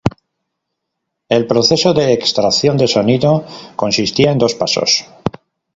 El proceso de extracción de sonido consistía en dos pasos